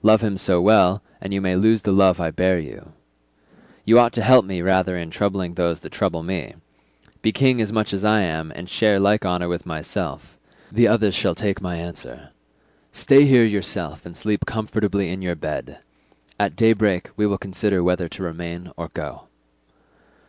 Love him so well, and you may lose the love I bear you. You ought to help me rather in troubling those that trouble me; be king as much as I am, and share like honour with myself; the others shall take my answer; stay here yourself and sleep comfortably in your bed; at daybreak we will consider whether to remain or go."